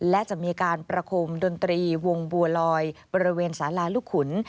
และจะมีการประคมดนตรีวงบัวลอยบริเวณสาราลูกขุน